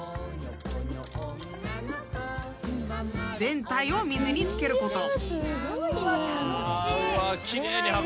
［全体を水に漬けること］